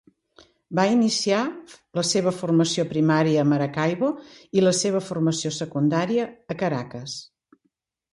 Va iniciar la seva formació primària a Maracaibo, i la seva formació secundària a Caracas.